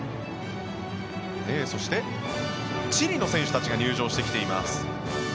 そして、チリの選手たちが入場してきています。